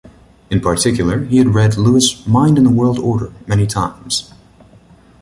In particular, he had read Lewis' "Mind and the World Order" many times.